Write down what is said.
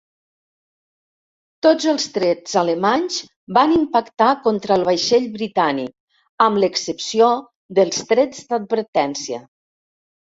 Tots els trets alemanys van impactar contra el vaixell britànic, amb l'excepció dels trets d'advertència.